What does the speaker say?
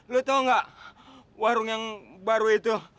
lo tau gak warung yang baru itu